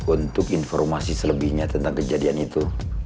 untuk informasi selebihnya tentang kejadian itu